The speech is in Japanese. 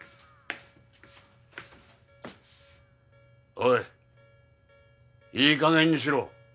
おいいいかげんにしろ。